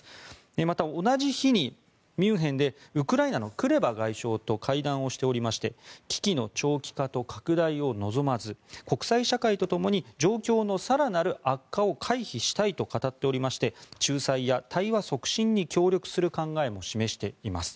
また、同じ日にミュンヘンでウクライナのクレバ外相と会談をしておりまして危機の長期化と拡大を望まず国際社会とともに状況の更なる悪化を回避したいと話していまして仲裁や対話促進に協力する考えも示しています。